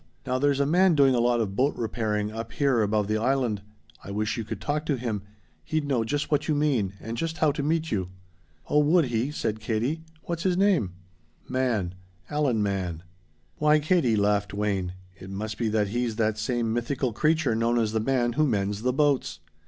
Now there's a man doing a lot of boat repairing up here above the Island. I wish you could talk to him. He'd know just what you mean, and just how to meet you." "Oh, would he?" said Katie. "What's his name?" "Mann. Alan Mann." "Why, Katie," laughed Wayne, "it must be that he's that same mythical creature known as the man who mends the boats."